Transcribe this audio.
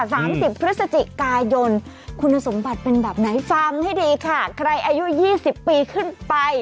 สามสิบพฤศจิกายนคุณสมบัติเป็นแบบไหนฟังให้ดีค่ะใครอายุยี่สิบปีขึ้นไป